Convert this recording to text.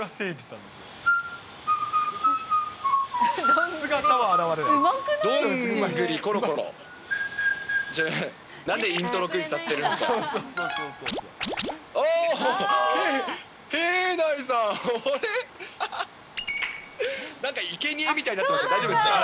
なんでイントロクイズさせてるんですか。